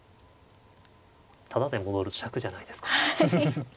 タダで戻るのしゃくじゃないですか。